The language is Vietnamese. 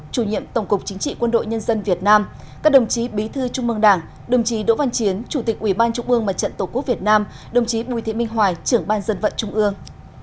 chủ nhiệm tổng cục chính trị quân đội nhân dân việt nam các đồng chí bí thư trung mương đảng đồng chí đỗ văn chiến chủ tịch ủy ban trung mương mặt trận tổ quốc việt nam đồng chí bùi thị minh hoài trưởng ban dân vận trung ương